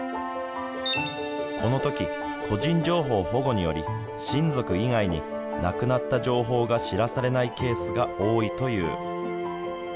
このとき個人情報保護により親族以外に亡くなった情報が知らされないケースが多いという。